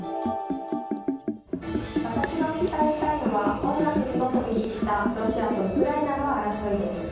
私がお伝えしたいのは音楽にも飛び火したロシアとウクライナの争いです。